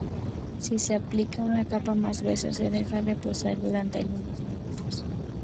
Si se aplica una capa más gruesa y se deja reposar durante algunos minutos.